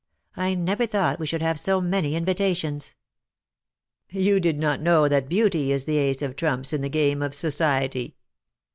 I never thought we should have so many invita tions." ^^ You did not know that beauty is the ace of trumps in the game of society."